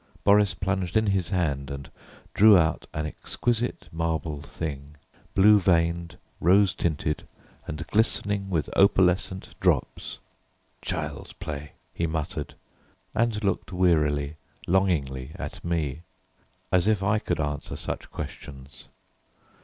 Boris plunged in his hand and drew out an exquisite marble thing, blue veined, rose tinted, and glistening with opalescent drops. "Child's play," he muttered, and looked wearily, longingly at me, as if I could answer such questions!